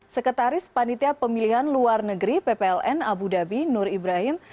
sekretaris panitia pemilihan luar negeri ppln abu dhabi nur ibrahim